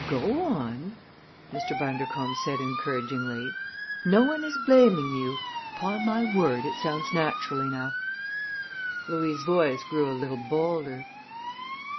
"Go on!" Mr. Bundercombe said encouragingly. "No one is blaming you. Upon my word, it sounds natural enough." Louis' voice grew a little bolder.